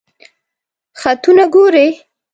خطونه ګوری؟